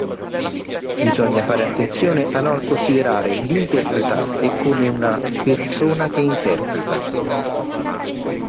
Bisogna fare attenzione a non considerare l'interpretante come una "persona che interpreta".